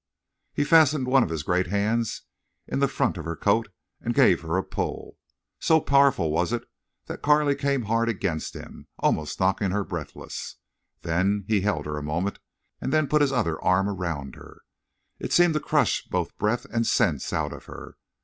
He fastened one of his great hands in the front of her coat and gave her a pull. So powerful was it that Carley came hard against him, almost knocking her breathless. There he held her a moment and then put his other arm round her. It seemed to crush both breath and sense out of her.